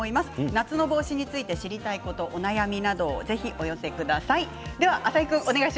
夏の帽子について知りたいことお悩みなどお寄せください。